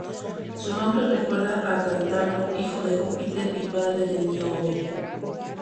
Su nombre recuerda a Tántalo, hijo de Júpiter y padre de Níobe.